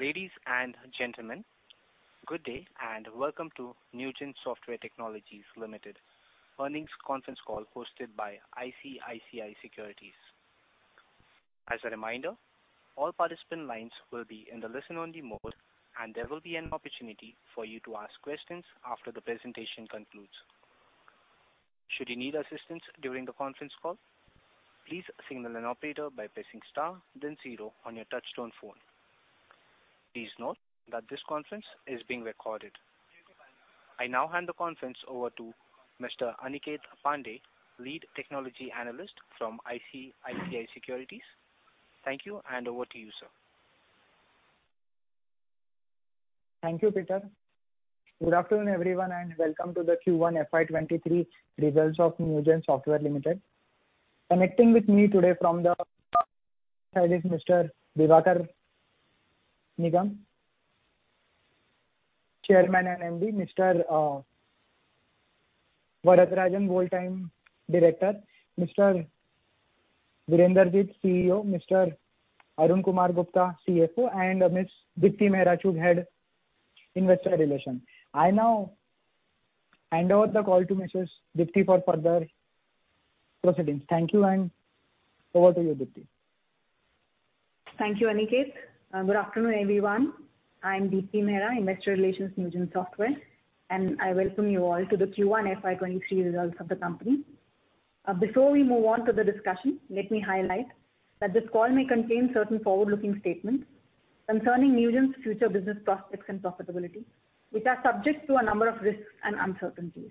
Ladies and gentlemen, good day and welcome to Newgen Software Technologies Limited earnings conference call hosted by ICICI Securities. As a reminder, all participant lines will be in the listen-only mode, and there will be an opportunity for you to ask questions after the presentation concludes. Should you need assistance during the conference call, please signal an operator by pressing star then zero on your touchtone phone. Please note that this conference is being recorded. I now hand the conference over to Mr. Aniket Pande, Lead Technology Analyst from ICICI Securities. Thank you, and over to you, sir. Thank you, Peter. Good afternoon, everyone, and welcome to the Q1 FY 2023 results of Newgen Software Technologies Limited. Connecting with me today from my side is Mr. Diwakar Nigam, Chairman and MD, Mr. Varadarajan, Director, Mr. Virender Jeet, CEO, Mr. Arun Kumar Gupta, CFO, and Ms. Deepti Mehra Chugh, Head, Investor Relations. I now hand over the call to Mrs. Deepti for further proceedings. Thank you, and over to you, Deepti. Thank you, Aniket. Good afternoon, everyone. I'm Deepti Mehra, Investor Relations Newgen Software, and I welcome you all to the Q1 FY 2023 results of the company. Before we move on to the discussion, let me highlight that this call may contain certain forward-looking statements concerning Newgen's future business prospects and profitability, which are subject to a number of risks and uncertainties,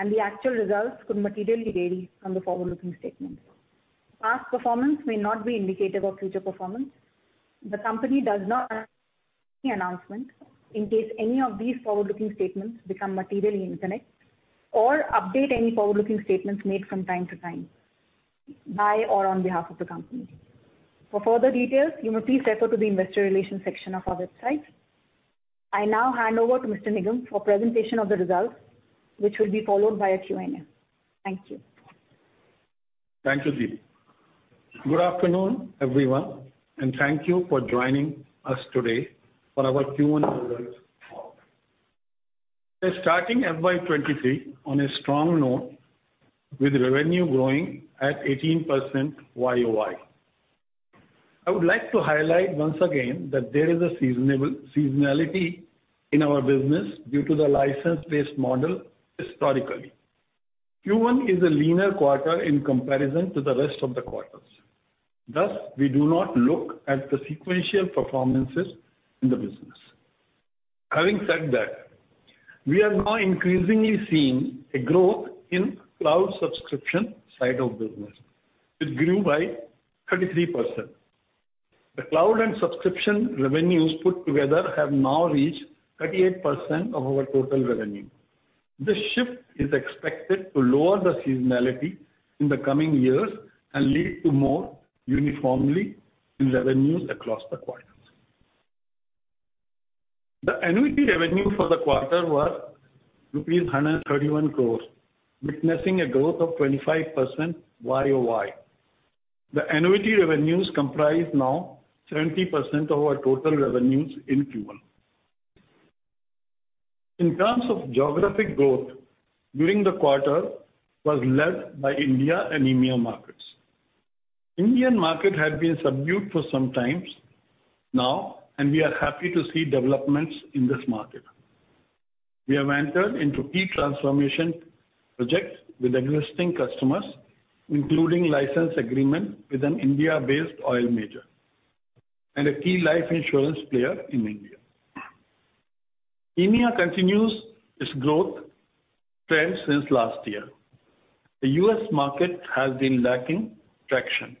and the actual results could materially vary from the forward-looking statements. Past performance may not be indicative of future performance. The company does not make any announcement in case any of these forward-looking statements become materially different or update any forward-looking statements made from time to time by or on behalf of the company. For further details, you may please refer to the investor relations section of our website. I now hand over to Mr. Nigam for presentation of the results, which will be followed by a Q&A. Thank you. Thank you, Deepti. Good afternoon, everyone, and thank you for joining us today for our Q1 results call. We're starting FY 2023 on a strong note with revenue growing at 18% YOY. I would like to highlight once again that there is a seasonal seasonality in our business due to the license-based model historically. Q1 is a leaner quarter in comparison to the rest of the quarters. Thus, we do not look at the sequential performance in the business. Having said that, we have now increasingly seen a growth in cloud subscription side of business. It grew by 33%. The cloud and subscription revenues put together have now reached 38% of our total revenue. This shift is expected to lower the seasonality in the coming years and lead to more uniformity in revenues across the quarters. The annuity revenue for the quarter was rupees 131 crores, witnessing a growth of 25% YOY. The annuity revenues now comprise 70% of our total revenues in Q1. In terms of geographic growth during the quarter was led by India and EMEA markets. Indian market had been subdued for some time now, and we are happy to see developments in this market. We have entered into key transformation projects with existing customers, including a license agreement with an India-based oil major and a key life insurance player in India. EMEA continues its growth trend since last year. The U.S. market has been lacking traction,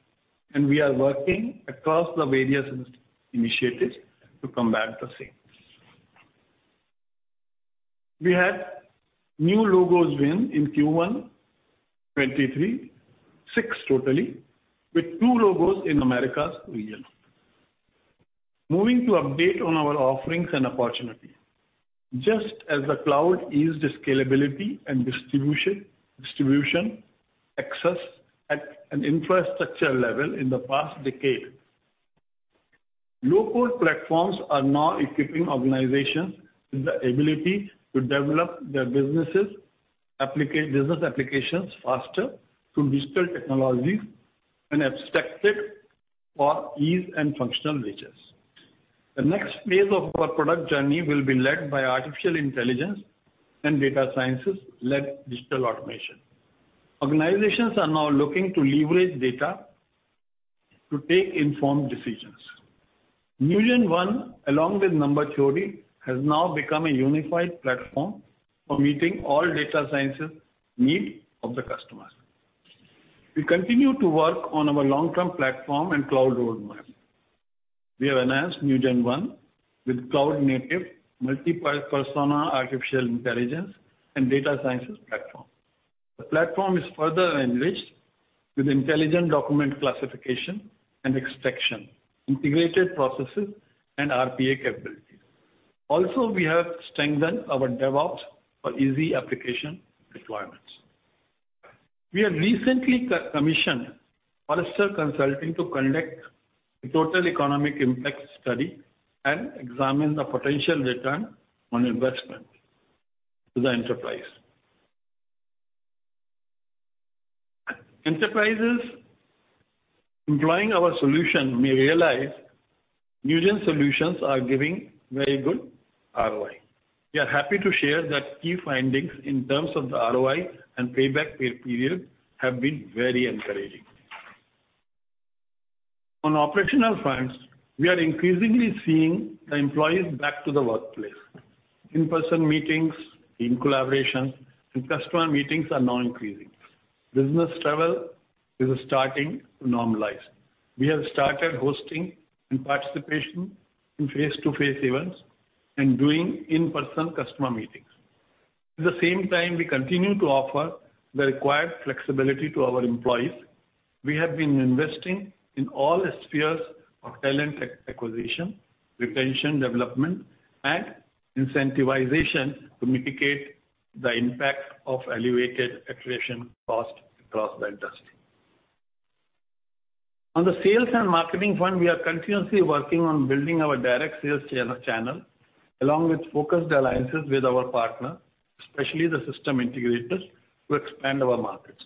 and we are working across the various initiatives to combat the same. We had new logos win in Q1 2023, six total, with two logos in Americas region. Moving to update on our offerings and opportunities. Just as the cloud eased scalability and distribution access at an infrastructure level in the past decade, low-code platforms are now equipping organizations with the ability to develop their business applications faster through digital technologies and abstract it for ease and functional riches. The next phase of our product journey will be led by artificial intelligence and data sciences-led digital automation. Organizations are now looking to leverage data to take informed decisions. NewgenONE, along with Number Theory, has now become a unified platform for meeting all data sciences need of the customers. We continue to work on our long-term platform and cloud roadmap. We have enhanced NewgenONE with cloud native multi-persona artificial intelligence and data sciences platform. The platform is further enriched with intelligent document classification and extraction, integrated processes, and RPA capabilities. Also, we have strengthened our DevOps for easy application deployments. We have recently co-commissioned Forrester Consulting to conduct a total economic impact study and examine the potential return on investment to the enterprise. Enterprises employing our solution may realize Newgen solutions are giving very good ROI. We are happy to share that key findings in terms of the ROI and payback period have been very encouraging. On operational fronts, we are increasingly seeing the employees back to the workplace. In-person meetings, team collaboration, and customer meetings are now increasing. Business travel is starting to normalize. We have started hosting and participation in face-to-face events and doing in-person customer meetings. At the same time, we continue to offer the required flexibility to our employees. We have been investing in all spheres of talent acquisition, retention, development, and incentivization to mitigate the impact of elevated attrition costs across the industry. On the sales and marketing front, we are continuously working on building our direct sales channel along with focused alliances with our partners, especially the system integrators, to expand our markets.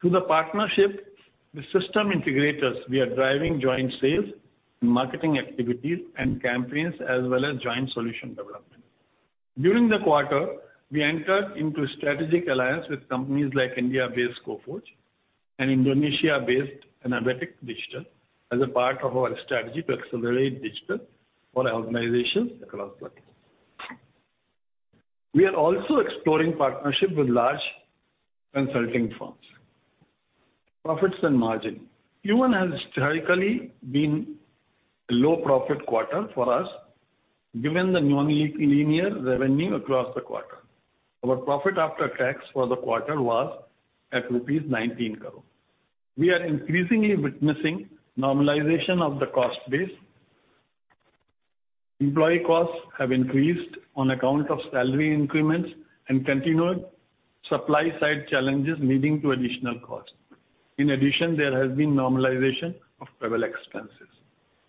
Through the partnership with system integrators, we are driving joint sales and marketing activities and campaigns as well as joint solution development. During the quarter, we entered into a strategic alliance with companies like India-based Coforge and Indonesia-based Anabatic Digital as a part of our strategy to accelerate digital for organizations across the globe. We are also exploring partnership with large consulting firms. Profits and margin. Q1 has historically been a low profit quarter for us, given the nonlinear revenue across the quarter. Our profit after tax for the quarter was at rupees 19 billion. We are increasingly witnessing normalization of the cost base. Employee costs have increased on account of salary increments and continued supply side challenges leading to additional costs. In addition, there has been normalization of travel expenses.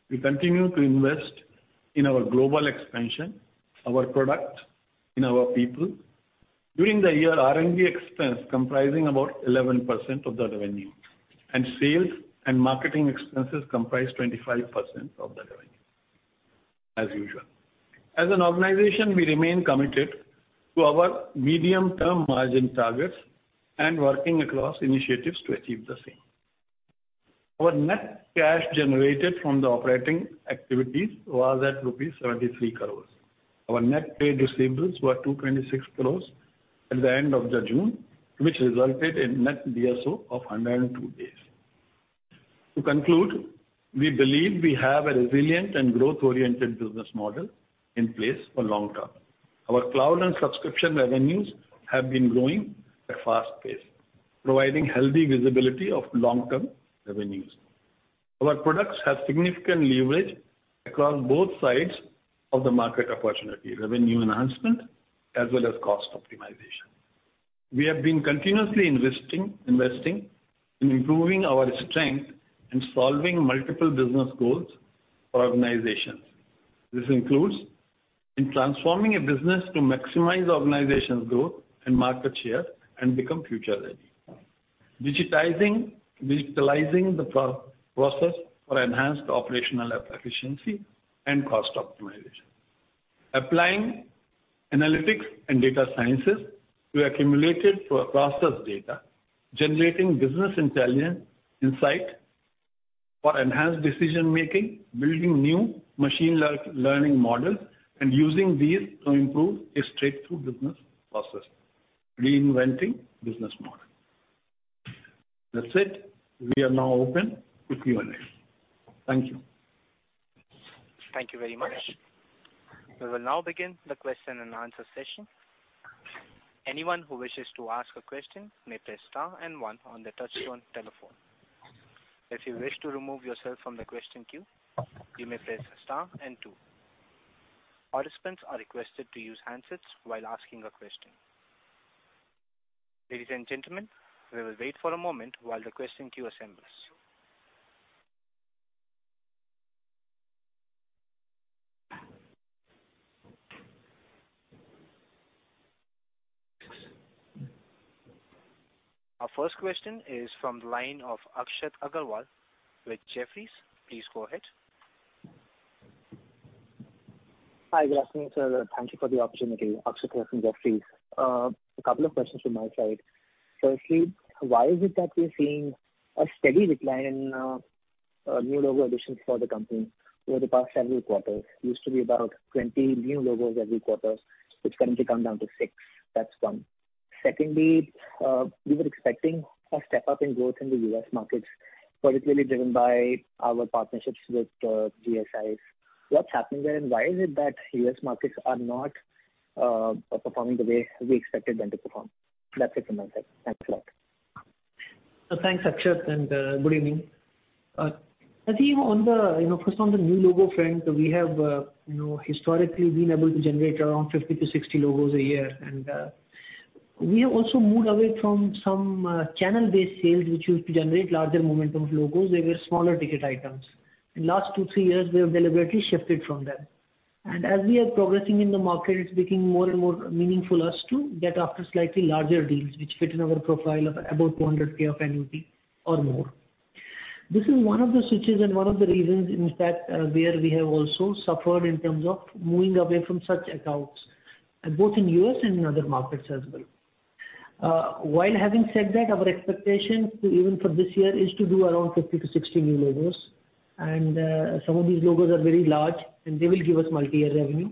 We continue to invest in our global expansion, our product, in our people. During the year, R&D expense comprising about 11% of the revenue and sales and marketing expenses comprised 25% of the revenue as usual. As an organization, we remain committed to our medium-term margin targets and working across initiatives to achieve the same. Our net cash generated from the operating activities was at rupees 73 crore. Our net trade receivables were 226 crore at the end of June, which resulted in net DSO of 102 days. To conclude, we believe we have a resilient and growth-oriented business model in place for long term. Our cloud and subscription revenues have been growing at a fast pace, providing healthy visibility of long-term revenues. Our products have significant leverage across both sides of the market opportunity, revenue enhancement as well as cost optimization. We have been continuously investing in improving our strength in solving multiple business goals for organizations. This includes transforming a business to maximize the organization's growth and market share and become future ready. Digitalizing the process for enhanced operational efficiency and cost optimization. Applying analytics and data sciences to accumulated process data, generating business insight for enhanced decision making, building new machine learning models, and using these to improve a straight-through business process, reinventing business model. That's it. We are now open to Q&A. Thank you. Thank you very much. We will now begin the question-and-answer session. Anyone who wishes to ask a question may press star and one on their touchtone telephone. If you wish to remove yourself from the question queue, you may press star and two. Participants are requested to use handsets while asking a question. Ladies and gentlemen, we will wait for a moment while the question queue assembles. Our first question is from the line of Akshat Agarwal with Jefferies. Please go ahead. Hi, good afternoon, sir. Thank you for the opportunity. Akshat Agarwal with Jefferies. A couple of questions from my side. Firstly, why is it that we're seeing a steady decline in new logo additions for the company over the past several quarters? It used to be about 20 new logos every quarter. It's currently come down to six. That's one. Secondly, we were expecting a step up in growth in the U.S. markets, particularly driven by our partnerships with GSIs. What's happened there, and why is it that U.S. markets are not performing the way we expected them to perform? That's it from my side. Thanks a lot. Thanks, Akshat, and good evening. I think on the you know first on the new logo front we have you know historically been able to generate around 50-60 logos a year. We have also moved away from some channel-based sales which used to generate larger momentum of logos. They were smaller ticket items. In last two, three years we have deliberately shifted from them. As we are progressing in the market it's becoming more and more meaningful for us to get after slightly larger deals which fit in our profile of about $400K of annuity or more. This is one of the switches and one of the reasons in fact where we have also suffered in terms of moving away from such accounts both in U.S. and in other markets as well. While having said that, our expectation even for this year is to do around 50-60 new logos. Some of these logos are very large, and they will give us multi-year revenue.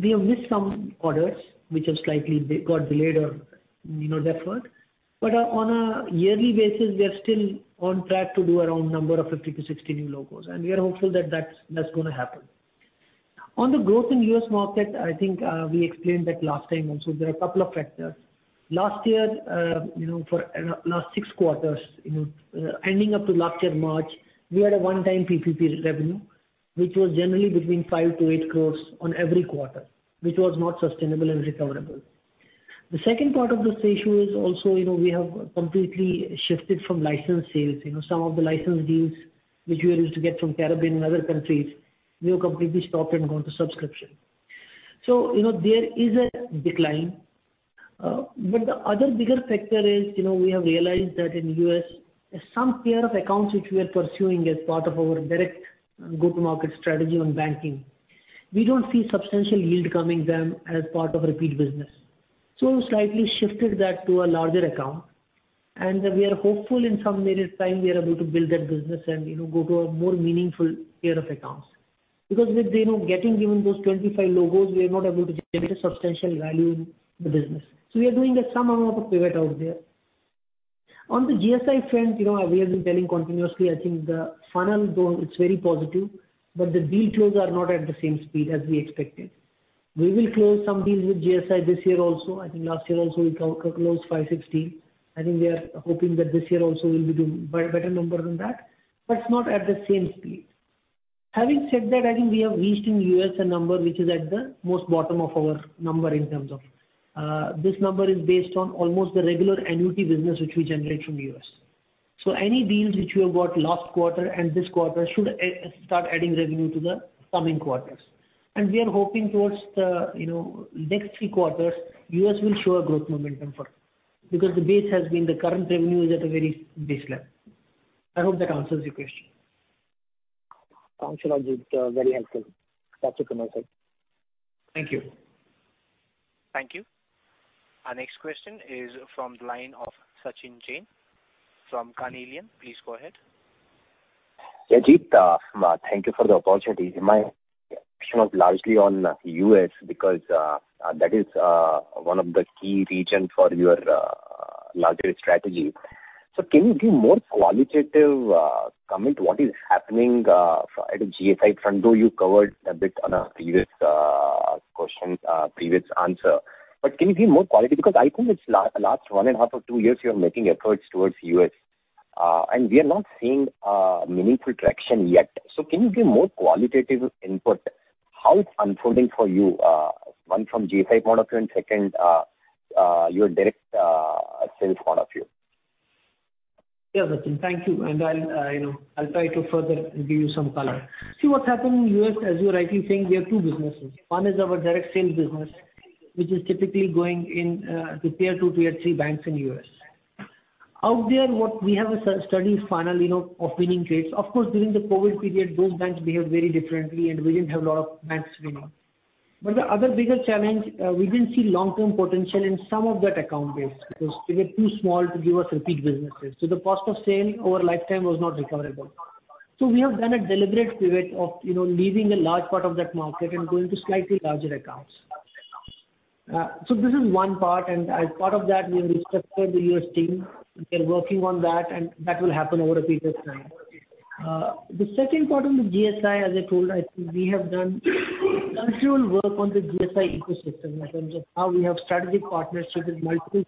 We have missed some orders which have slightly been delayed or, you know, deferred. On a yearly basis, we are still on track to do around number of 50-60 new logos, and we are hopeful that that's gonna happen. On the growth in U.S. market, I think, we explained that last time also. There are a couple of factors. Last year, you know, for the last six quarters, you know, ending up to last year March, we had a one-time PPP revenue, which was generally between 5 crore-8 crore on every quarter, which was not sustainable and recoverable. The second part of this issue is also, you know, we have completely shifted from license sales. You know, some of the license deals which we used to get from Caribbean and other countries, we have completely stopped and gone to subscription. You know, there is a decline. But the other bigger factor is, you know, we have realized that in U.S., some tier of accounts which we are pursuing as part of our direct go-to-market strategy on banking, we don't see substantial yield coming from them as part of repeat business. We've slightly shifted that to a larger account, and we are hopeful in some period of time we are able to build that business and, you know, go to a more meaningful tier of accounts. Because with you know getting even those 25 logos, we are not able to generate a substantial value in the business. We are doing some amount of pivot out there. On the GSI front, you know, we have been telling continuously. I think the funnel though it's very positive, but the deal close are not at the same speed as we expected. We will close some deals with GSI this year also. I think last year also we closed 560. I think we are hoping that this year also we'll be doing better number than that, but not at the same speed. Having said that, I think we have reached in U.S. a number which is at the most bottom of our number in terms of. This number is based on almost the regular annuity business which we generate from U.S. Any deals which we have got last quarter, and this quarter should start adding revenue to the coming quarters. We are hoping towards the, you know, next three quarters, U.S. will show a growth momentum for us. Because the base has been, the current revenue is at a very base level. I hope that answers your question. Sounds logical. Very helpful. That's it from my side. Thank you. Thank you. Our next question is from the line of Sachin Jain from Carnelian. Please go ahead. Yeah, Jeet, thank you for the opportunity. My question was largely on U.S. because that is one of the key region for your larger strategy. Can you give more qualitative comment what is happening at a GSI front, though you covered a bit on a previous question, previous answer. Can you give more qualitative? Because I think it's last one and a half or two years you are making efforts towards U.S., and we are not seeing meaningful traction yet. Can you give more qualitative input how it's unfolding for you, one from GSI point of view and second, your direct sales point of view? Yeah, Sachin, thank you. I'll try to further give you some color. See, what's happened in the U.S., as you're rightly saying, we have two businesses. One is our direct sales business, which is typically going in to tier two, tier three banks in the U.S. Out there, what we have a steady funnel, you know, of winning trades. Of course, during the COVID period, those banks behaved very differently, and we didn't have a lot of banks winning. But the other bigger challenge, we didn't see long-term potential in some of that account base because they were too small to give us repeat businesses. We have done a deliberate pivot of, you know, leaving a large part of that market and going to slightly larger accounts. This is one part, and as part of that, we have restructured the U.S. team. We are working on that, and that will happen over a period of time. The second part on the GSI, as I told, I think we have done considerable work on the GSI ecosystem in terms of how we have strategic partnership with multiple,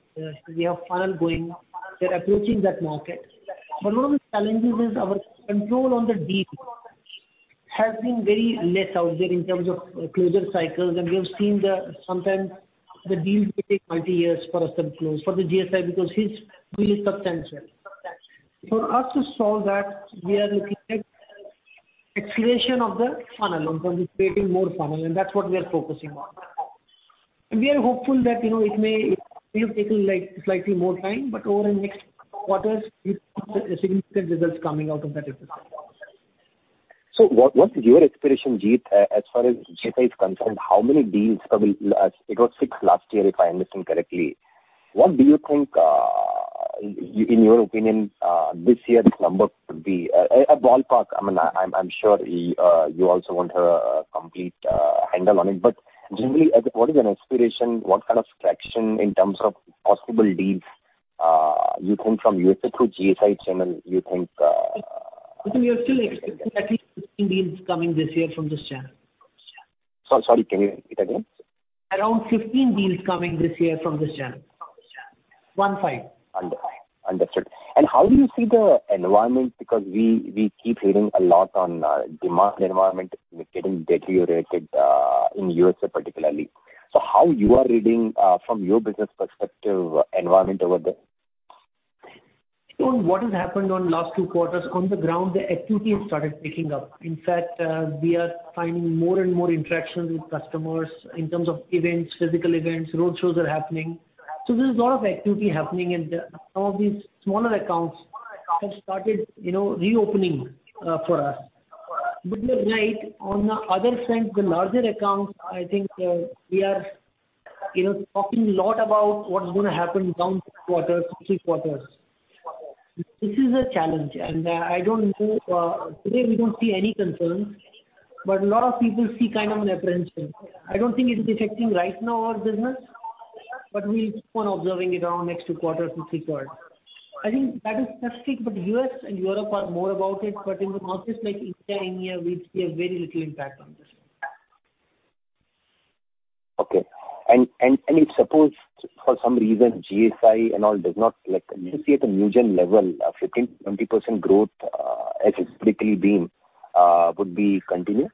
we have funnel going. We are approaching that market. One of the challenges is our control on the deal has been very less out there in terms of closure cycles. We have seen, sometimes the deals may take multi years for us to close for the GSI because his bill is substantial. For us to solve that, we are looking at acceleration of the funnel. In terms of creating more funnel, and that's what we are focusing on. We are hopeful that, you know, it may have taken like slightly more time, but over the next quarters, we see significant results coming out of that effort. What’s your expectation, Jeet, as far as GSI is concerned? How many deals probably last year? It was six last year, if I’m listening correctly. What do you think, in your opinion, this year’s number could be? A ballpark. I mean, I’m sure you also won’t have a complete handle on it. Generally, what is an aspiration? What kind of traction in terms of possible deals you think from U.S.A. through GSI channel, you think Sachin, we are still expecting at least 15 deals coming this year from this channel. Sorry, sorry, can you repeat that again? Around 15 deals coming this year from this channel. 15. Understood. How do you see the environment? Because we keep hearing a lot on demand environment getting deteriorated in U.S.A. particularly. How are you reading from your business perspective environment over there? In what has happened in last two quarters, on the ground, the activity has started picking up. In fact, we are finding more and more interactions with customers in terms of events, physical events, roadshows are happening. There's a lot of activity happening, and some of these smaller accounts have started, you know, reopening for us. You're right. On the other front, the larger accounts, I think, we are, you know, talking a lot about what's gonna happen down quarters, three quarters. This is a challenge. I don't know, today, we don't see any concerns, but a lot of people see kind of an apprehension. I don't think it is affecting right now our business, but we'll keep on observing it around next two quarters or three quarters. I think that is specific, but U.S. and Europe are more about it, but in the markets like India, we see a very little impact on this. Okay. If suppose for some reason, GSI and all does not like. Let's say at the Newgen level, 15%-20% growth, as it's typically been, would be continued?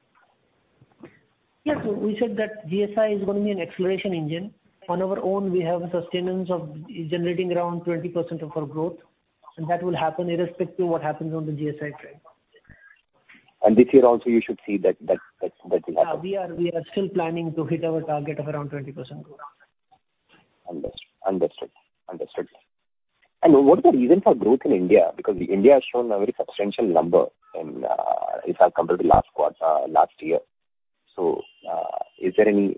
Yes. We said that GSI is gonna be an acceleration engine. On our own, we have a sustenance of generating around 20% of our growth, and that will happen irrespective what happens on the GSI trend. This year also you should see that will happen. Yeah. We are still planning to hit our target of around 20% growth. Understood. What is the reason for growth in India? Because India has shown a very substantial number in, if I compare the last year. Is there anything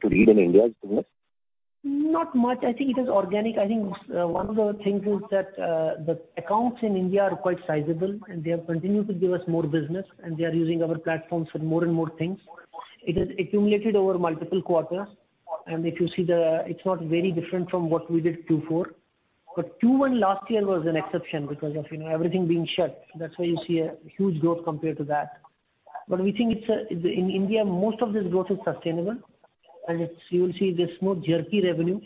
to read in India's business? Not much. I think it is organic. I think, one of the things is that the accounts in India are quite sizable, and they have continued to give us more business, and they are using our platforms for more and more things. It has accumulated over multiple quarters. If you see, it's not very different from what we did Q4. Q1 last year was an exception because of you know, everything being shut. That's why you see a huge growth compared to that. We think it's all in India. Most of this growth is sustainable. You will see there's more jerkier revenue.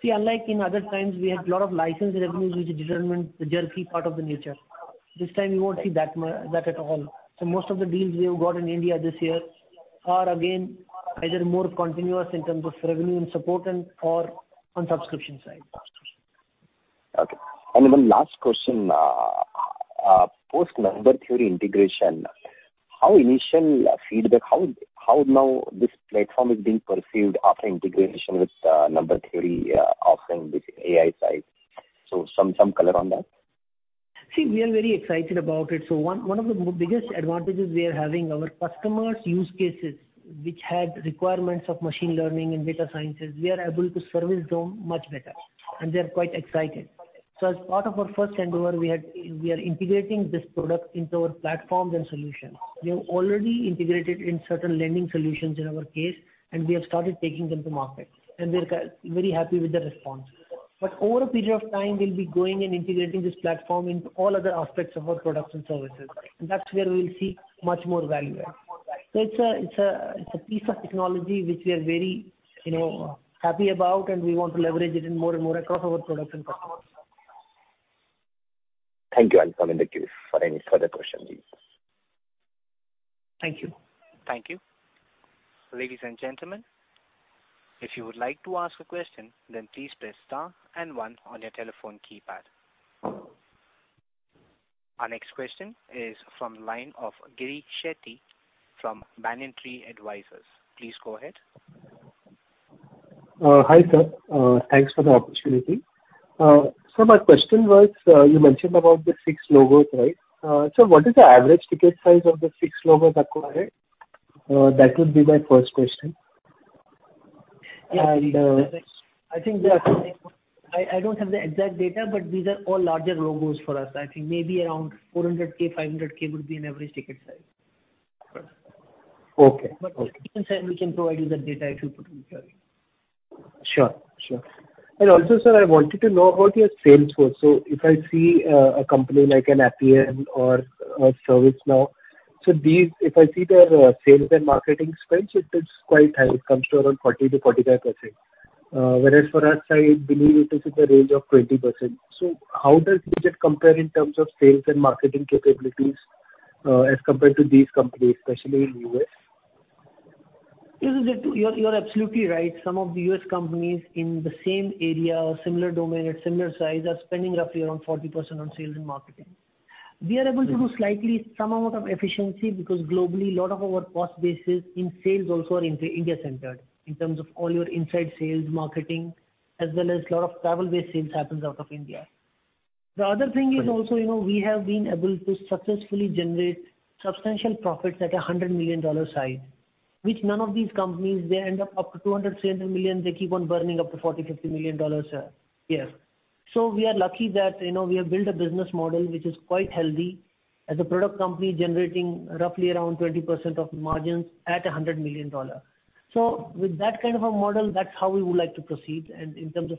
See, unlike in other times, we had lot of license revenues which determined the jerky nature. This time you won't see that much at all. Most of the deals we have got in India this year are again, either more continuous in terms of revenue and support and/or on subscription side. Okay. One last question. Post Number Theory integration, how now this platform is being perceived after integration with Number Theory, offering with AI side? Some color on that. See, we are very excited about it. One of the biggest advantages we are having, our customers' use cases which had requirements of machine learning and data sciences, we are able to service them much better, and they're quite excited. As part of our first handover, we are integrating this product into our platforms and solutions. We have already integrated in certain lending solutions in our case, and we have started taking them to market, and we are very happy with the response. Over a period of time, we'll be going and integrating this platform into all other aspects of our products and services, and that's where we will see much more value add. It's a piece of technology which we are very, you know, happy about, and we want to leverage it in more and more across our products and customers. Thank you. I'll come in the queue for any further questions. Thank you. Thank you. Ladies and gentlemen, if you would like to ask a question, then please press star and one on your telephone keypad. Our next question is from line of Girish Shetty from Banyan Tree Advisors. Please go ahead. Hi, sir. Thanks for the opportunity. My question was, you mentioned about the six logos, right? What is the average ticket size of the six logos acquired? That would be my first question. I don't have the exact data, but these are all larger logos for us. I think maybe around $400K-$500K would be an average ticket size. Okay. In time, we can provide you the data if you put me through. Sure, sure. Also, sir, I wanted to know about your sales force. If I see a company like Appian or ServiceNow, these, if I see their sales and marketing spends, it is quite high. It comes to around 40%-45%. Whereas for us, I believe it is in the range of 20%. How does [Newgen] compare in terms of sales and marketing capabilities, as compared to these companies, especially in U.S.? You're absolutely right. Some of the U.S. companies in the same area or similar domain or similar size are spending roughly around 40% on sales and marketing. We are able to do slightly some amount of efficiency because globally, a lot of our cost bases in sales also are India-centered in terms of all your inside sales, marketing, as well as a lot of travel-based sales happens out of India. The other thing is also, you know, we have been able to successfully generate substantial profits at a $100 million size, which none of these companies, they end up to $200-$300 million, they keep on burning up to $40-$50 million a year. We are lucky that, you know, we have built a business model which is quite healthy as a product company generating roughly around 20% of margins at $100 million. With that kind of a model, that's how we would like to proceed. In terms of,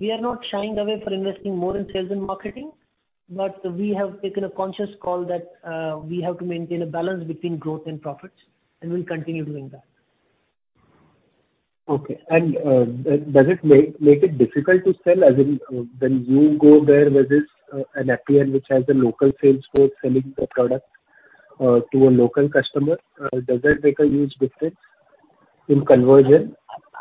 we are not shying away from investing more in sales and marketing. We have taken a conscious call that we have to maintain a balance between growth and profits, and we'll continue doing that. Okay. Does it make it difficult to sell as in, when you go there versus an Appian which has a local sales force selling the product to a local customer, does that make a huge difference in conversion?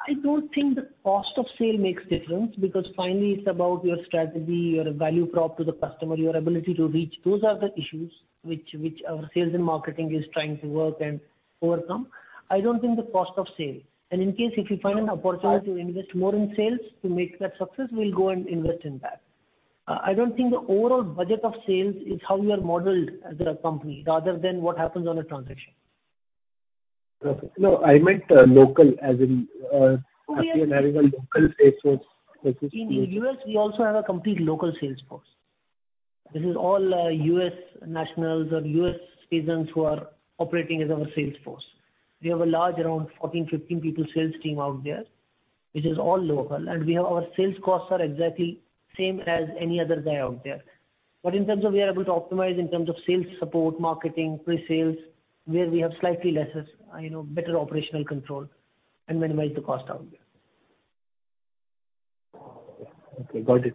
I don't think the cost of sale makes difference because finally it's about your strategy, your value prop to the customer, your ability to reach. Those are the issues which our sales and marketing is trying to work and overcome. I don't think the cost of sale. In case if you find an opportunity to invest more in sales to make that success, we'll go and invest in that. I don't think the overall budget of sales is how we are modeled as a company rather than what happens on a transaction. Okay. No, I meant local as in, Oh, yeah. Appian has a local sales force versus. In the U.S., we also have a complete local sales force. This is all U.S. nationals or U.S. citizens who are operating as our sales force. We have a large, around 14, 15 people sales team out there, which is all local. We have our sales costs are exactly same as any other guy out there. In terms of we are able to optimize in terms of sales support, marketing, pre-sales, where we have slightly less, you know, better operational control and minimize the cost out there. Okay, got it.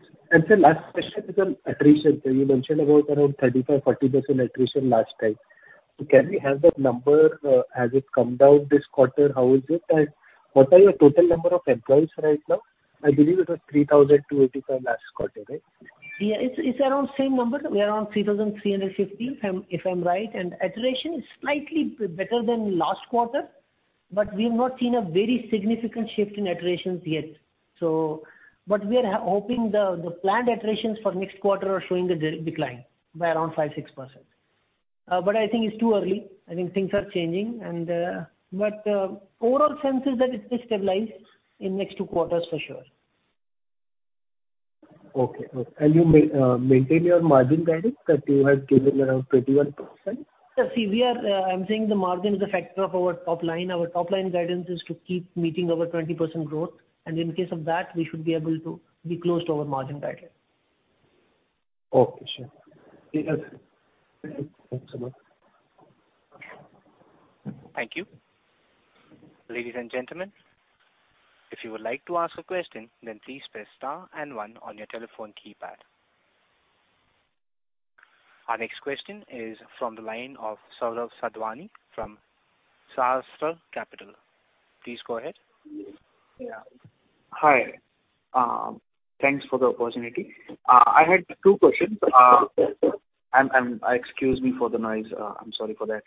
Sir, last question is on attrition. You mentioned about around 35%-40% attrition last time. Can we have that number? Has it come down this quarter? How is it? What are your total number of employees right now? I believe it was 3,285 last quarter, right? Yeah, it's around same number. We are around 3,350, if I'm right. Attrition is slightly better than last quarter, but we've not seen a very significant shift in attritions yet. We are hoping the planned attritions for next quarter are showing a decline by around 5-6%. I think it's too early. I think things are changing and. Overall sense is that it will stabilize in next two quarters for sure. Okay. You maintain your margin guidance that you had given around 21%? Yeah. See, we are, I'm saying the margin is a factor of our top line. Our top line guidance is to keep meeting our 20% growth, and in case of that, we should be able to be close to our margin guidance. Okay, sure. Yeah. Thank you. Thanks a lot. Thank you. Ladies and gentlemen, if you would like to ask a question, then please press star and one on your telephone keypad. Our next question is from the line of Saurabh Sadhwani from Sahasrar Capital. Please go ahead. Yeah. Hi. Thanks for the opportunity. I had two questions. Excuse me for the noise. I'm sorry for that.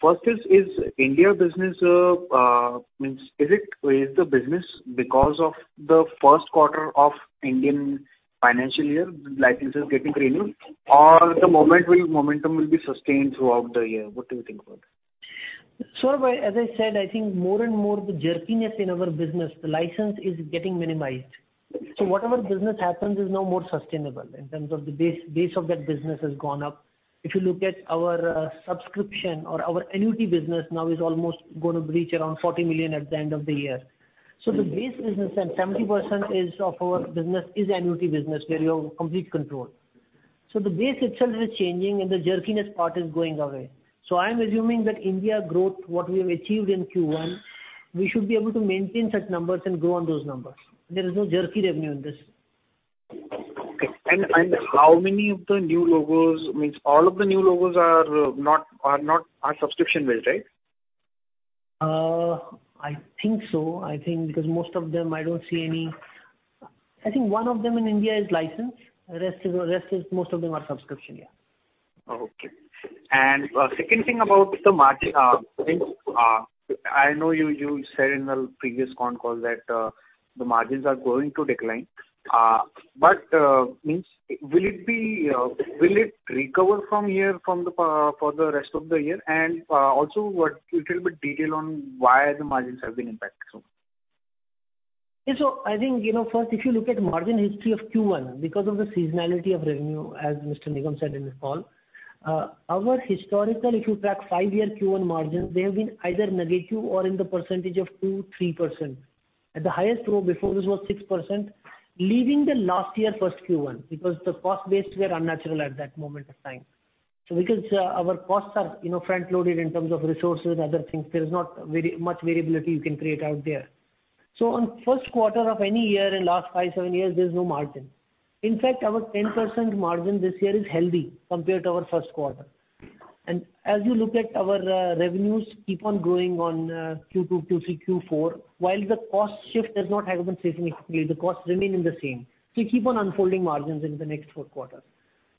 First, is Indian business meaning, is it the business because of the first quarter of Indian financial year licenses getting renewed, or will the momentum be sustained throughout the year? What do you think about that? Saurabh, as I said, I think more and more the jerkiness in our business, the license is getting minimized. Whatever business happens is now more sustainable in terms of the base of that business has gone up. If you look at our subscription or our annuity business now is almost gonna reach around 40 million at the end of the year. The base business and 70% is of our business is annuity business where we have complete control. The base itself is changing, and the jerkiness part is going away. I am assuming that India growth, what we have achieved in Q1, we should be able to maintain such numbers and grow on those numbers. There is no jerky revenue in this. Okay. How many of the new logos? I mean, all of the new logos are subscription-based, right? I think so. I think because most of them I don't see any. I think one of them in India is licensed. The rest is most of them are subscription, yeah. Okay. Second thing about the margin is, I know you said in the previous con call that the margins are going to decline. But, I mean, will it recover from here for the rest of the year? Also, a little bit of detail on why the margins have been impacted so? Yeah. I think, you know, first, if you look at margin history of Q1 because of the seasonality of revenue, as Mr. Nigam said in this call, our historical, if you track five-year Q1 margins, they have been either negative or in the percentage of 2%, 3%. At the highest low before this was 6%, leaving the last year first Q1 because the cost base were unnatural at that moment of time. Because, our costs are, you know, front-loaded in terms of resources, other things, there's not very much variability you can create out there. On first quarter of any year in last five, seven years, there's no margin. In fact, our 10% margin this year is healthy compared to our first quarter. As you look at our revenues keep on growing in Q2, Q3, Q4, while the costs have not shifted significantly, the costs remain the same. We keep on unfolding margins in the next four quarters.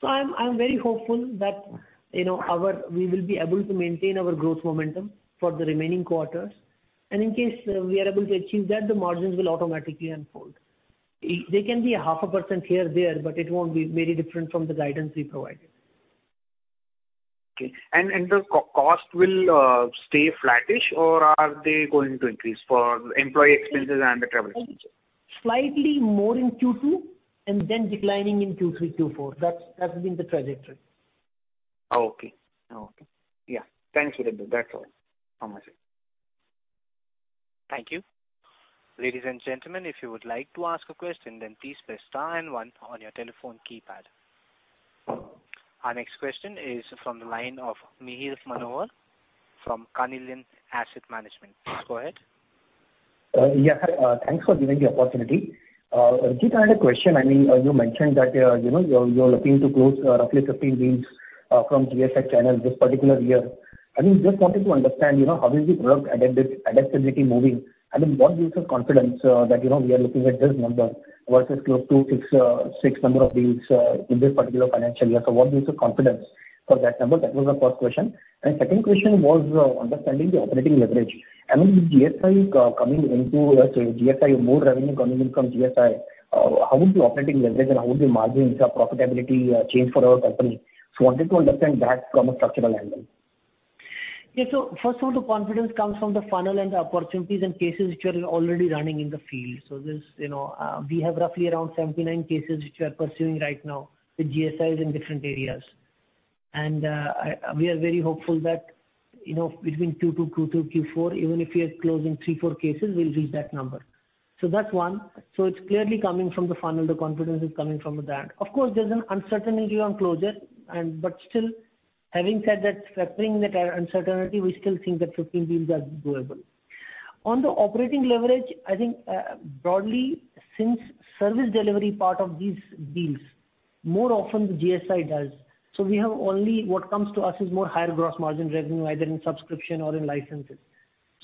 I'm very hopeful that, you know, we will be able to maintain our growth momentum for the remaining quarters. In case we are able to achieve that, the margins will automatically unfold. There can be 0.5% here or there, but it won't be very different from the guidance we provided. Okay. The cost will stay flattish or are they going to increase for employee expenses and the travel expenses? Slightly more in Q2 and then declining in Q3, Q4. That has been the trajectory. Okay. Yeah. Thanks, Virender. That's all. Namaste. Thank you. Ladies and gentlemen, if you would like to ask a question, then please press star and one on your telephone keypad. Our next question is from the line of Mihir Manohar from Carnelian Asset Management. Please go ahead. Yeah. Thanks for giving the opportunity. Virender Jeet, I had a question. I mean, you mentioned that, you know, you're looking to close roughly 15 deals from GSI channel this particular year. I mean, just wanted to understand, you know, how is the product adaptability moving? I mean, what gives you confidence that, you know, we are looking at this number versus close to 6 number of deals in this particular financial year? What gives you confidence for that number? That was the first question. Second question was understanding the operating leverage. I mean, GSI coming into, let's say, GSI, more revenue coming in from GSI, how will the operating leverage and how will the margins or profitability change for our company? Wanted to understand that from a structural angle. Yeah. First of all, the confidence comes from the funnel and the opportunities and cases which are already running in the field. There's, you know, we have roughly around 79 cases which we are pursuing right now with GSIs in different areas. We are very hopeful that, you know, between Q2 to Q4, even if we are closing 3, 4 cases, we'll reach that number. That's one. It's clearly coming from the funnel. The confidence is coming from that. Of course, there's an uncertainty on closure but still, having said that, factoring that uncertainty, we still think that 15 deals are doable. On the operating leverage, I think, broadly, since service delivery part of these deals more often the GSI does. We have only what comes to us is more higher gross margin revenue, either in subscription or in licenses.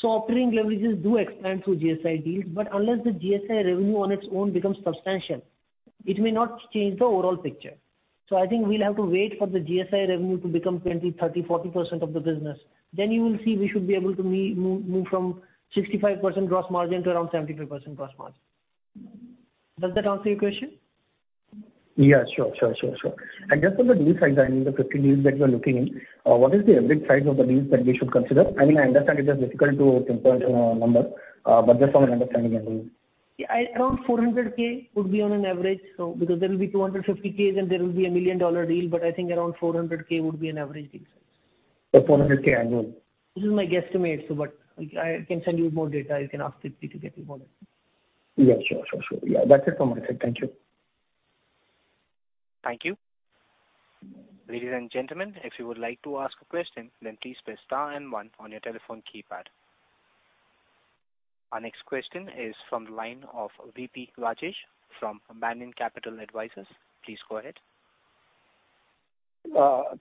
Operating leverages do expand through GSI deals, but unless the GSI revenue on its own becomes substantial, it may not change the overall picture. I think we'll have to wait for the GSI revenue to become 20, 30, 40% of the business. You will see we should be able to move from 65% gross margin to around 73% gross margin. Does that answer your question? Yeah, sure. Just on the deal size, I mean, the 15 deals that you are looking at, what is the average size of the deals that we should consider? I mean, I understand it is difficult to pinpoint a number, but just from an understanding angle. Yeah. Around $400K would be on average. Because there will be 250 Ks and there will be a million-dollar deal, but I think around $400K would be an average deal size. INR 400 K annual. This is my guesstimate. I can send you more data. You can ask Deepti to get you more data. Yeah, sure. Yeah. That's it from my side. Thank you. Thank you. Ladies and gentlemen, if you would like to ask a question then please press star and one on your telephone keypad. Our next question is from the line of V.P. Rajesh from Banyan Capital Advisors. Please go ahead.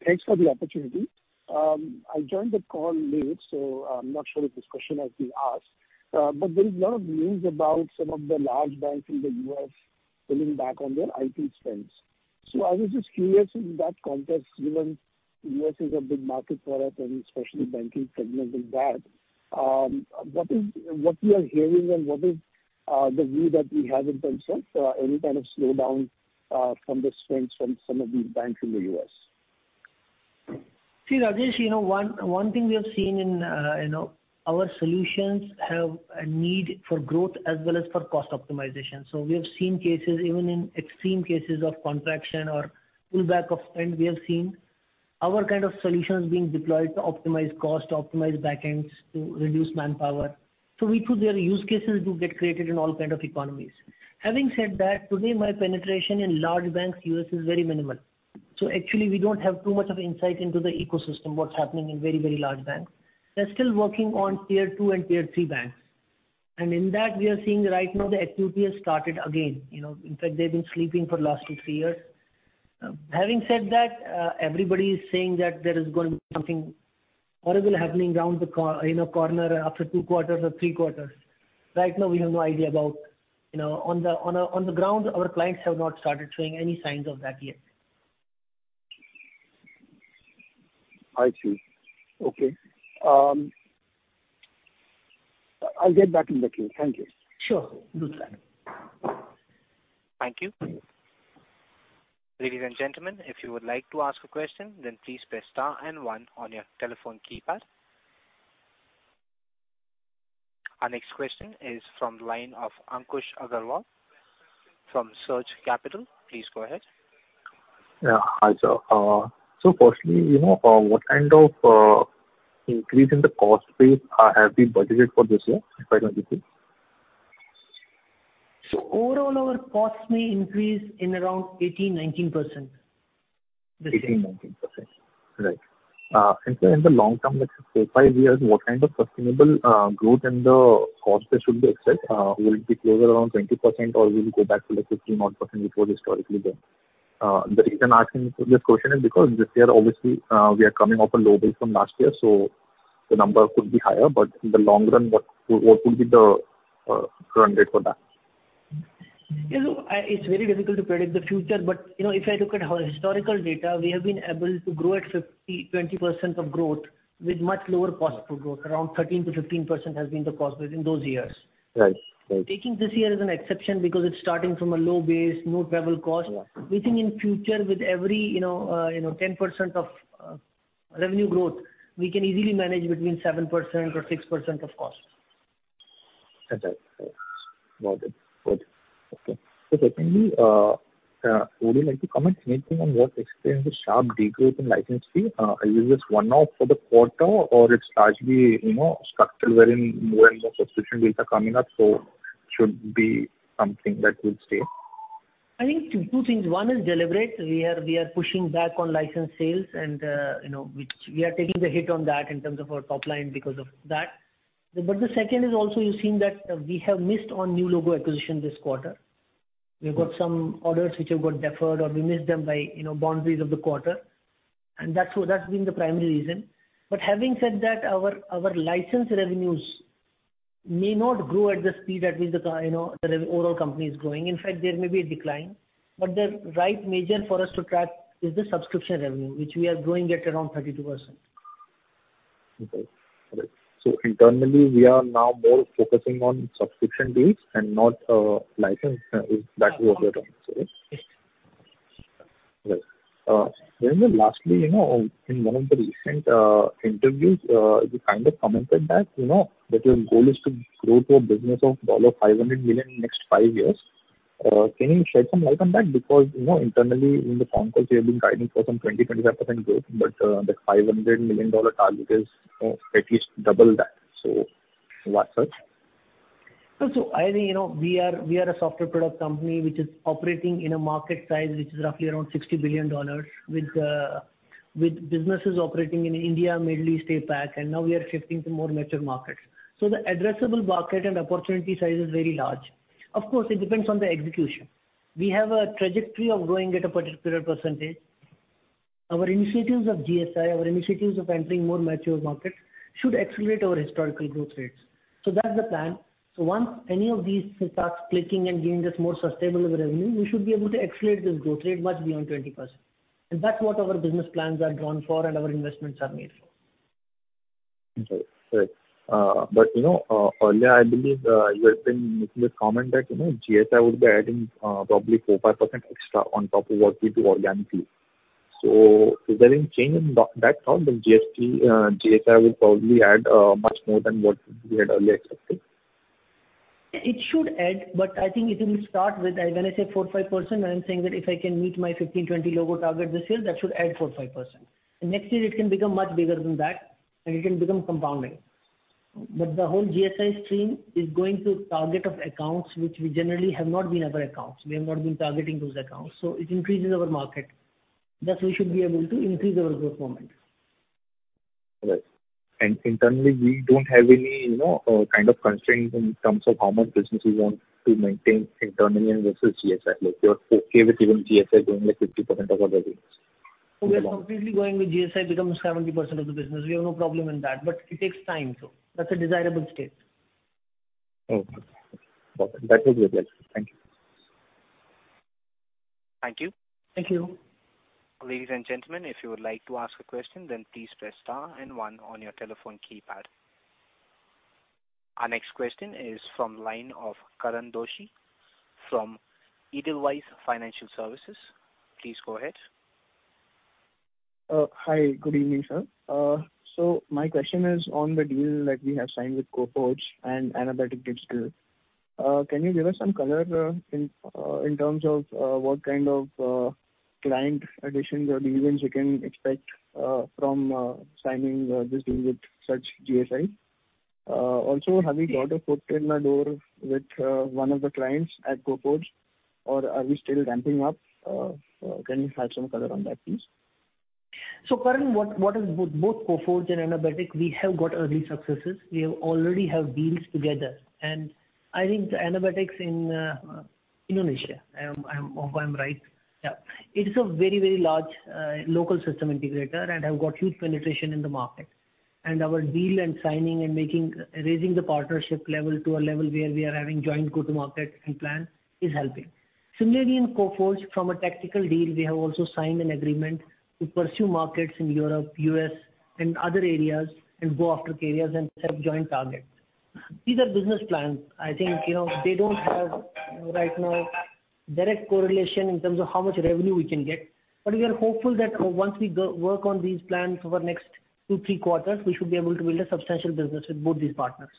Thanks for the opportunity. I joined the call late, so I'm not sure if this question has been asked. There is lot of news about some of the large banks in the U.S. pulling back on their IT spends. I was just curious in that context, given U.S. is a big market for us and especially banking segment is bad, what we are hearing and what is the view that we have in terms of any kind of slowdown from the spends from some of these banks in the U.S.? See, Rajesh, you know, one thing we have seen in, you know, our solutions have a need for growth as well as for cost optimization. We have seen cases, even in extreme cases of contraction or pullback of spend, we have seen our kind of solutions being deployed to optimize cost, optimize backends to reduce manpower. We feel their use cases do get created in all kind of economies. Having said that, today my penetration in large banks, U.S., is very minimal. Actually we don't have too much of insight into the ecosystem, what's happening in very, very large banks. We're still working on tier two and tier three banks. In that we are seeing right now the activity has started again, you know. In fact, they've been sleeping for last two, three years. Having said that, everybody is saying that there is going to be something horrible happening around the corner after two quarters or three quarters. Right now we have no idea about, you know, on the ground, our clients have not started showing any signs of that yet. I see. Okay. I'll get back in the queue. Thank you. Sure. Do that. Thank you. Ladies and gentlemen, if you would like to ask a question then please press star and one on your telephone keypad. Our next question is from the line of Ankush Agrawal from Surge Capital. Please go ahead. Yeah. Hi, sir. Firstly, you know, what kind of increase in the cost base have we budgeted for this year, 2023? Overall our costs may increase in around 18%-19%. 18%-19%. Right. In the long term, let's say four-five years, what kind of sustainable growth in the cost base should we expect? Will it be closer around 20% or will it go back to, like, 15 odd %, which was historically there? The reason I'm asking this question is because this year obviously, we are coming off a low base from last year, so the number could be higher. In the long run, what will be the run rate for that? It's very difficult to predict the future, but, you know, if I look at our historical data, we have been able to grow at 50%-20% of growth with much lower cost per growth. Around 13%-15% has been the cost within those years. Right. Right. Taking this year as an exception because it's starting from a low base, no travel costs. We think in future with every, you know, you know, 10% of revenue growth, we can easily manage between 7% or 6% of costs. Secondly, would you like to comment on what explains the sharp decrease in license fee? Is this one-off for the quarter or it's largely, you know, structural wherein more and more subscription deals are coming up, so should be something that will stay? I think two things. One is deliberate. We are pushing back on license sales and, you know, which we are taking the hit on that in terms of our top line because of that. The second is also you've seen that we have missed on new logo acquisition this quarter. We've got some orders which have got deferred, or we missed them by, you know, boundaries of the quarter. That's been the primary reason. Having said that, our license revenues may not grow at the speed at which the, you know, the overall company is growing. In fact, there may be a decline. The right measure for us to track is the subscription revenue, which we are growing at around 32%. Okay. All right. Internally, we are now more focusing on subscription deals and not license, if that was your answer, right? Yes. Right. Then lastly, you know, in one of the recent interviews, you kind of commented that, you know, that your goal is to grow to a business of $500 million in next five years. Can you shed some light on that? Because, you know, internally in the conference, you have been guiding for some 20%-25% growth, but the $500 million target is, you know, at least double that. So what's that? I think, you know, we are a software product company which is operating in a market size which is roughly around $60 billion with businesses operating in India, Middle East, APAC, and now we are shifting to more mature markets. The addressable market and opportunity size is very large. Of course, it depends on the execution. We have a trajectory of growing at a particular percentage. Our initiatives of GSI, our initiatives of entering more mature markets should accelerate our historical growth rates. That's the plan. Once any of these starts clicking and gains us more sustainable revenue, we should be able to accelerate this growth rate much beyond 20%. That's what our business plans are drawn for and our investments are made for. Okay. Great. You know, earlier I believe you had been making a comment that, you know, GSI would be adding probably 4%-5% extra on top of what we do organically. Is there any change in that front, that GSI will probably add much more than what we had earlier expected? It should add, but I think it will start with, when I say 4%-5%, I am saying that if I can meet my 15-20 logo target this year, that should add 4%-5%. Next year it can become much bigger than that, and it can become compounding. The whole GSI stream is going to target of accounts which we generally have not been our accounts. We have not been targeting those accounts, so it increases our market. Thus, we should be able to increase our growth momentum. Right. Internally, we don't have any, you know, kind of constraints in terms of how much business we want to maintain internally and versus GSI. Like, we are okay with even GSI doing, like, 50% of our business. We are completely going with GSI becomes 70% of the business. We have no problem in that, but it takes time. That's a desirable state. Okay. Got it. That was good. Thank you. Thank you. Thank you. Ladies and gentlemen, if you would like to ask a question then please press star and one on your telephone keypad. Our next question is from line of Karan Doshi from Edelweiss Financial Services. Please go ahead. Hi. Good evening, sir. My question is on the deal that we have signed with Coforge and Anabatic Digital. Can you give us some color in terms of what kind of client additions or deals you can expect from signing this deal with such GSI? Also, have you got a footprint in the door with one of the clients at Coforge, or are we still ramping up? Can you have some color on that please? Karan, what about both Coforge and Anabatic, we have got early successes. We have already deals together, and I think the Anabatic in Indonesia. I hope I'm right. Yeah. It is a very large local system integrator, and have got huge penetration in the market. Our deal and signing and making raising the partnership level to a level where we are having joint go-to-market and plan is helping. Similarly, in Coforge, from a tactical deal, we have also signed an agreement to pursue markets in Europe, U.S., and other areas and go after areas and set joint targets. These are business plans. I think, you know, they don't have right now direct correlation in terms of how much revenue we can get. We are hopeful that once we go work on these plans over next 2, 3 quarters, we should be able to build a substantial business with both these partners.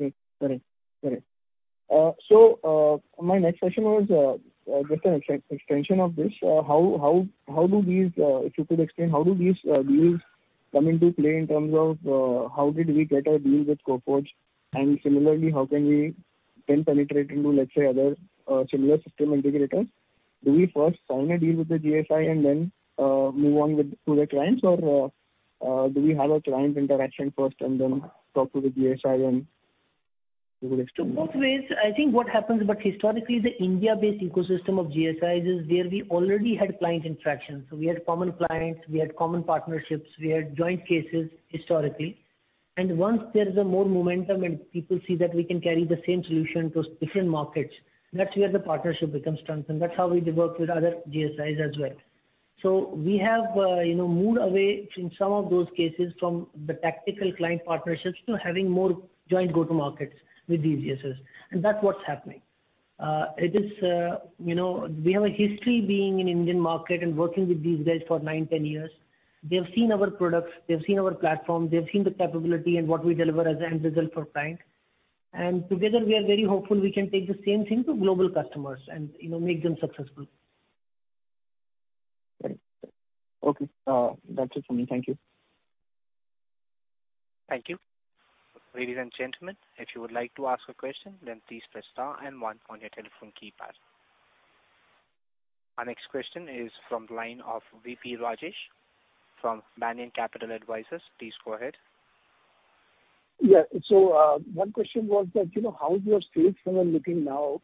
Okay. Got it. My next question was just an extension of this. How do these deals come into play in terms of how did we get a deal with Coforge? And similarly, how can we then penetrate into, let's say, other similar system integrators? Do we first sign a deal with the GSI and then move on to the clients? Or do we have a client interaction first and then talk to the GSI? If you could explain. Both ways, I think what happens, but historically the India-based ecosystem of GSIs is where we already had client interactions. We had common clients, we had common partnerships, we had joint cases historically. Once there is a more momentum and people see that we can carry the same solution to different markets, that's where the partnership becomes strengthened. That's how we work with other GSIs as well. We have, you know, moved away in some of those cases from the tactical client partnerships to having more joint go-to markets with these GSIs, and that's what's happening. It is, you know, we have a history being in Indian market and working with these guys for nine, 10 years. They've seen our products, they've seen our platform, they've seen the capability and what we deliver as the end result for client. Together we are very hopeful we can take the same thing to global customers and, you know, make them successful. Right. Okay. That's it for me. Thank you. Thank you. Ladies and gentlemen, if you would like to ask a question then please press star and one on your telephone keypad. Our next question is from the line of V.P. Rajesh from Banyan Capital Advisors. Please go ahead. Yeah. One question was that, you know, how is your sales funnel looking now,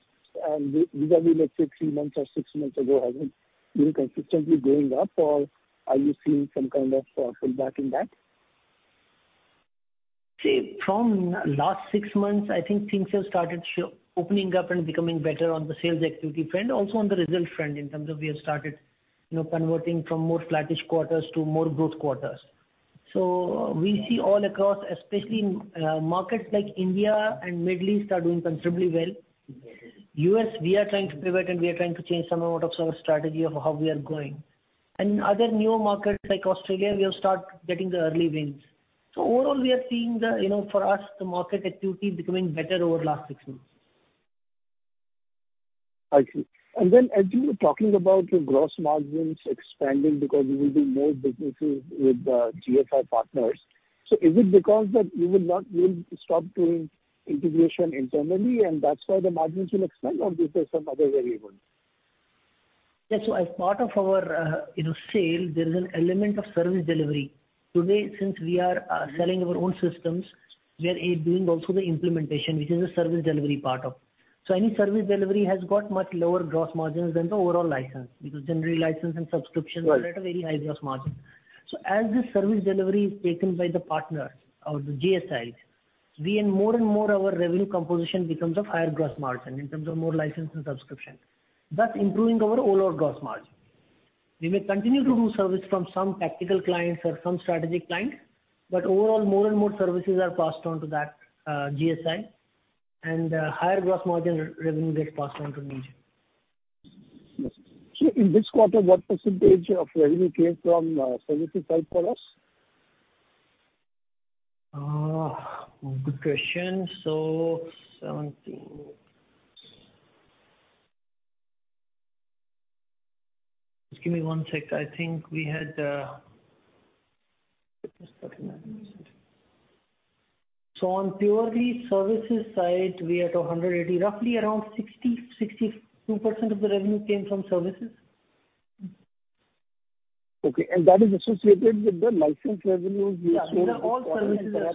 vis-a-vis like three months or six months ago? Has it been consistently going up, or are you seeing some kind of pullback in that? See, from last six months, I think things have started opening up and becoming better on the sales activity front. Also on the result front, in terms of we have started, you know, converting from more flattish quarters to more growth quarters. We see all across, especially, markets like India and Middle East are doing considerably well. Okay. U.S., we are trying to pivot, and we are trying to change some amount of our strategy of how we are growing. Other newer markets like Australia, we have start getting the early wins. Overall, we are seeing the, you know, for us, the market activity becoming better over last six months. I see. As you were talking about your gross margins expanding because you will do more businesses with the GSI partners. Is it because that you will not stop doing integration internally, and that's why the margins will expand or is there some other variable? Yes. As part of our sale, there is an element of service delivery. Today, since we are selling our own systems, we are doing also the implementation, which is a service delivery part of. Any service delivery has got much lower gross margins than the overall license, because generally license and subscriptions. Right. are at a very high gross margin. As the service delivery is taken by the partners or the GSIs, we and more and more our revenue composition becomes of higher gross margin in terms of more license and subscription, thus improving our overall gross margin. We may continue to do service from some tactical clients or some strategic clients, but overall, more and more services are passed on to that, GSI and, higher gross margin revenue gets passed on to Newgen. In this quarter, what percentage of revenue came from services side for us? Good question. Let me think. Just give me one sec. I think we had, on purely services side, we are at 180, roughly around 60%-62% of the revenue came from services. Okay. That is associated with the license revenues which were. Yeah. These are all services. They're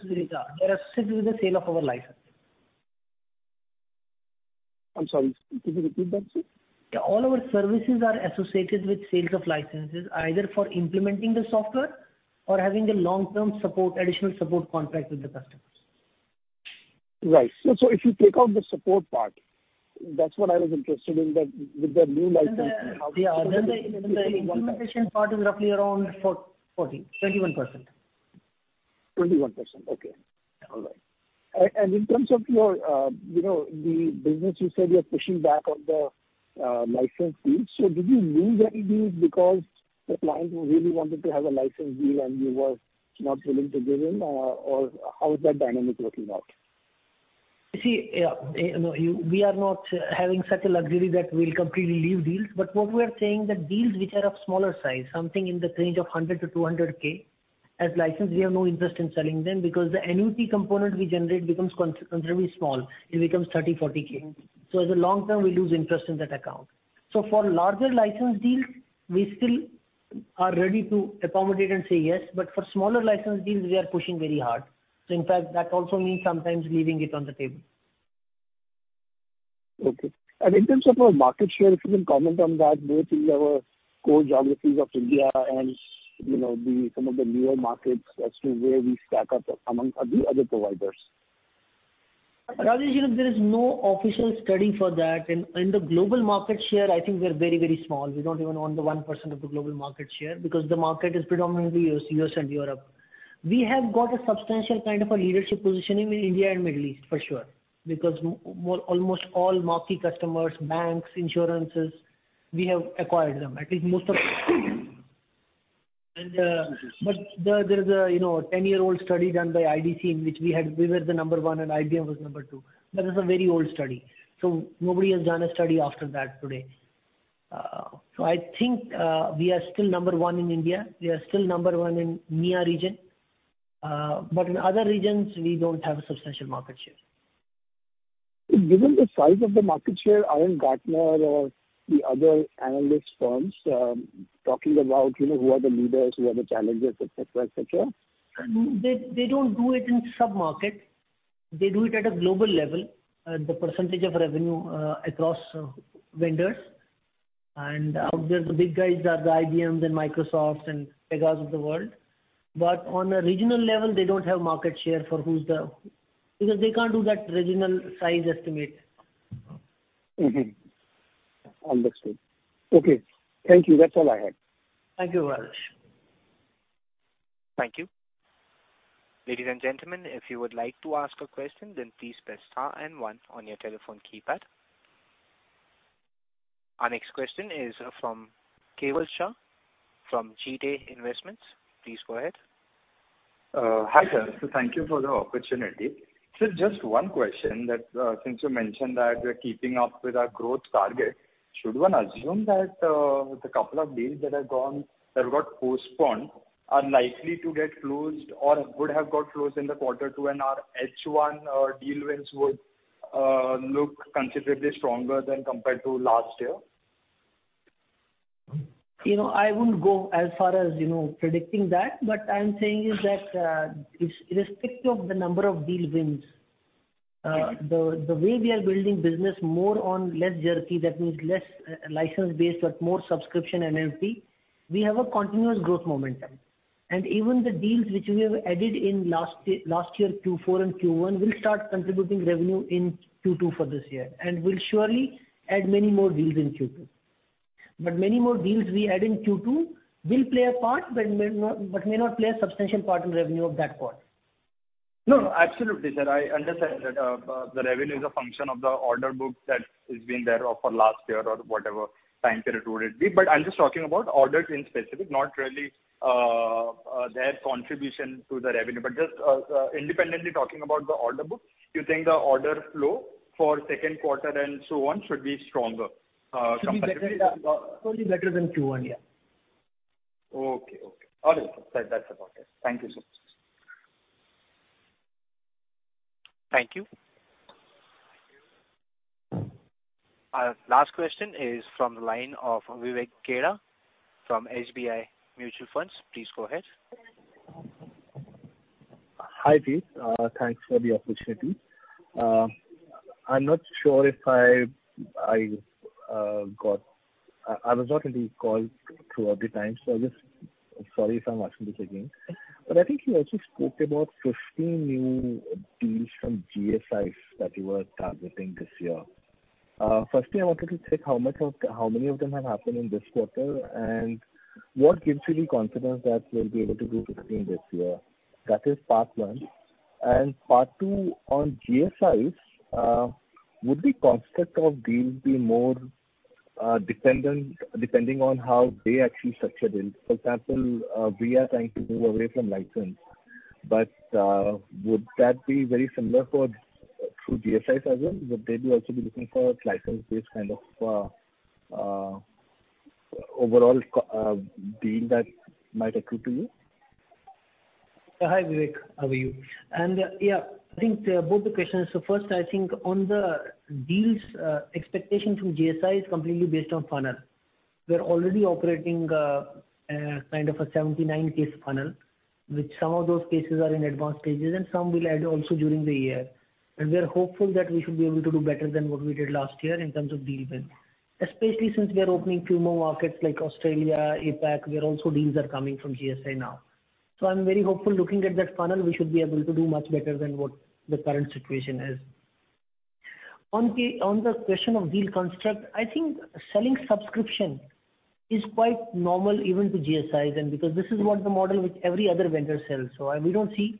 associated with the sale of our license. I'm sorry. Could you repeat that, sir? Yeah. All our services are associated with sales of licenses, either for implementing the software or having a long-term support, additional support contract with the customers. Right. If you take out the support part, that's what I was interested in, that with the new license and how. The implementation part is roughly around 42.1%. 21%. Okay. All right. And in terms of your, you know, the business, you said you're pushing back on the license deals. Did you lose any deals because the clients really wanted to have a license deal and you were not willing to give in, or how is that dynamic working out? You see, you know, we are not having such a luxury that we'll completely leave deals. What we are saying that deals which are of smaller size, something in the range of $100K-$200K as license, we have no interest in selling them because the annuity component we generate becomes considerably small. It becomes $30K, $40K. As a long-term, we lose interest in that account. For larger license deals we still are ready to accommodate and say yes. For smaller license deals we are pushing very hard. In fact that also means sometimes leaving it on the table. Okay. In terms of our market share, if you can comment on that, both in our core geographies of India and then some of the newer markets as to where we stack up among the other providers? Rajesh, you know, there is no official study for that. In the global market share, I think we're very small. We don't even own 1% of the global market share because the market is predominantly U.S. and Europe. We have got a substantial kind of a leadership position in India and Middle East for sure, because almost all marquee customers, banks, insurances, we have acquired them, at least most of them. There's a, you know, a 10-year-old study done by IDC in which we were the number one and IBM was number two. That is a very old study. Nobody has done a study after that today. I think we are still number one in India. We are still number one in MEA region. in other regions we don't have a substantial market share. Given the size of the market share, aren't Gartner or the other analyst firms talking about who are the leaders, who are the challengers, et cetera, et cetera? They don't do it in sub-market. They do it at a global level. The percentage of revenue across vendors. Out there, the big guys are the IBMs and Microsofts and Pegasystems of the world. But on a regional level, they don't have market share for who's the. Because they can't do that regional size estimate. Mm-hmm. Understood. Okay. Thank you. That's all I had. Thank you, Rajesh. Thank you. Ladies and gentlemen, if you would like to ask a question, then please press star and one on your telephone keypad. Our next question is from Kewal Shah from Jeet Investments. Please go ahead. Hi, sir. Thank you for the opportunity. Just one question that, since you mentioned that we're keeping up with our growth target, should one assume that the couple of deals that got postponed are likely to get closed or would have got closed in quarter two and our H one deal wins would look considerably stronger than compared to last year? You know, I wouldn't go as far as, you know, predicting that. I'm saying is that, irrespective of the number of deal wins, the way we are building business more or less jerky, that means less license-based but more subscription AMC, we have a continuous growth momentum. Even the deals which we have added in last year, Q4 and Q1, will start contributing revenue in Q2 for this year. We'll surely add many more deals in Q2. Many more deals we add in Q2 will play a part, but may not play a substantial part in revenue of that quarter. No, absolutely, sir. I understand that the revenue is a function of the order book that is being there for last year or whatever time period would it be. I'm just talking about orders in specific, not really their contribution to the revenue. Just independently talking about the order book, do you think the order flow for second quarter and so on should be stronger compared to? Should be better, totally better than Q one, yeah. Okay, okay. All is well. That, that's about it. Thank you so much. Thank you. Our last question is from the line of Vivek Khera from SBI Mutual Fund. Please go ahead. Hi, Vivek. Thanks for the opportunity. I was not in the call throughout the time. Sorry if I'm asking this again. I think you also spoke about 15 new deals from GSIs that you are targeting this year. Firstly, I wanted to check how many of them have happened in this quarter, and what gives you the confidence that you'll be able to do 15 this year? That is part one. Part two, on GSIs, would the construct of deals be more dependent depending on how they actually structure deals? For example, we are trying to move away from license. Would that be very similar through GSIs as well? Would they be also looking for license-based kind of overall deal that might accrue to you? Hi, Vivek. How are you? Yeah, I think both the questions. First, I think on the deals, expectation from GSI is completely based on funnel. We're already operating kind of a 79-case funnel, which some of those cases are in advanced stages and some will add also during the year. We are hopeful that we should be able to do better than what we did last year in terms of deal wins. Especially since we are opening few more markets like Australia, APAC, where also deals are coming from GSI now. I'm very hopeful looking at that funnel, we should be able to do much better than what the current situation is. On the question of deal construct, I think selling subscription is quite normal even to GSIs than, because this is what the model which every other vendor sells. We don't see.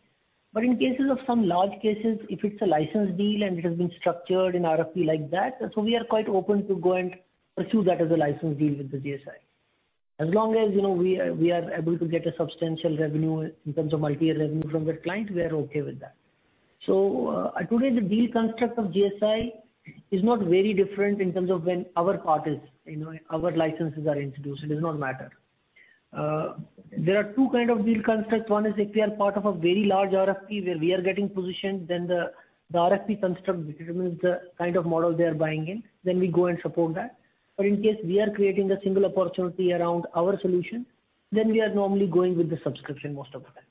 But in some large cases, if it's a license deal and it has been structured in RFP like that, we are quite open to go and pursue that as a license deal with the GSI. As long as, you know, we are able to get a substantial revenue in terms of multi-year revenue from that client, we are okay with that. Today the deal construct of GSI is not very different in terms of when our part is, you know, our licenses are introduced, it does not matter. There are two kinds of deal constructs. One is if we are part of a very large RFP where we are getting positioned, then the RFP construct determines the kind of model they are buying in, then we go and support that. In case we are creating a single opportunity around our solution, then we are normally going with the subscription most of the times.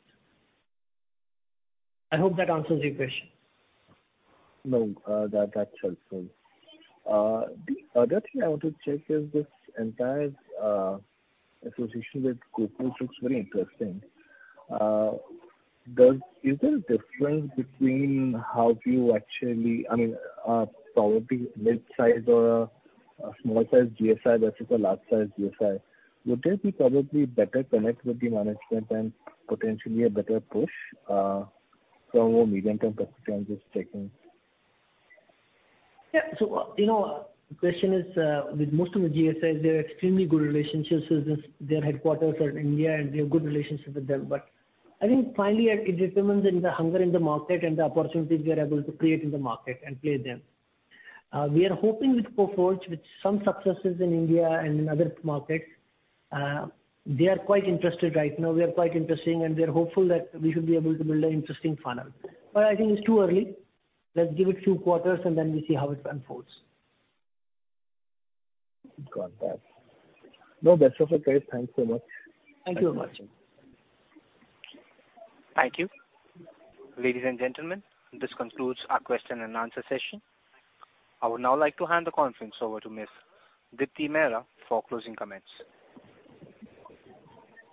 I hope that answers your question. No, that's helpful. The other thing I want to check is this entire association with Coforge looks very interesting. Is there a difference between probably midsize or a small size GSI versus a large size GSI. Would there be probably better connect with the management and potentially a better push, from a medium-term perspective this taking? Yeah. You know, the question is, with most of the GSIs, there are extremely good relationships with them. Their headquarters are in India, and we have good relationships with them. I think finally it depends on the hunger in the market and the opportunities we are able to create in the market and play them. We are hoping with Coforge, with some successes in India and in other markets, they are quite interested right now. We are quite interested, and we are hopeful that we should be able to build an interesting funnel. I think it's too early. Let's give it a few quarters and then we see how it unfolds. Got that. No, best of luck, guys. Thanks so much. Thank you very much. Thank you. Ladies and gentlemen, this concludes our question-and-answer session. I would now like to hand the conference over to Ms. Deepti Mehra for closing comments.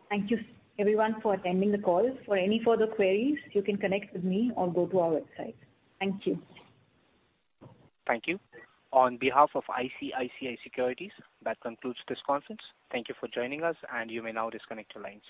Thank you everyone for attending the call. For any further queries, you can connect with me or go to our website. Thank you. Thank you. On behalf of ICICI Securities, that concludes this conference. Thank you for joining us, and you may now disconnect your lines.